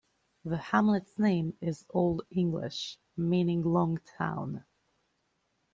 The hamlet's name is Old English, meaning "long town".